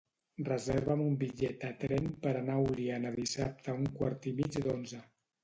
Reserva'm un bitllet de tren per anar a Oliana dissabte a un quart i mig d'onze.